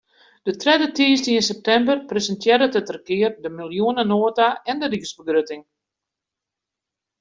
De tredde tiisdeis yn septimber presintearret it regear de miljoenenota en de ryksbegrutting.